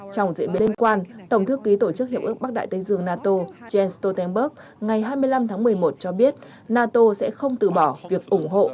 trong diễn biến liên quan tổng thư ký tổ chức hiệp ước bắc đại tây dương nato jens stoltenberg ngày hai mươi năm tháng một mươi một cho biết nato sẽ không từ bỏ việc ủng hộ